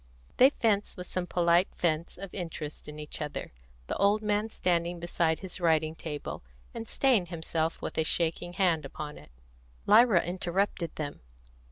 They fenced with some polite feints of interest in each other, the old man standing beside his writing table, and staying himself with a shaking hand upon it. Lyra interrupted them.